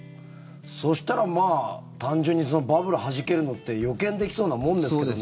そしたら、単純にバブルはじけるのって予見できそうなものですけどね。